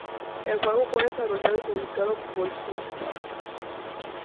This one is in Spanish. El juego fue desarrollado y publicado por Psygnosis.